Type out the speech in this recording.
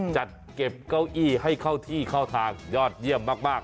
จัดเก็บเก้าอี้ให้เข้าที่เข้าทางยอดเยี่ยมมาก